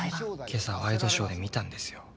今朝ワイドショーで見たんですよ。